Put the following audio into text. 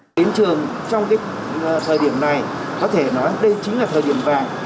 đến trường trong thời điểm này có thể nói đây chính là thời điểm vàng